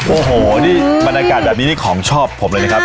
โอ้โหนี่บรรยากาศแบบนี้นี่ของชอบผมเลยนะครับ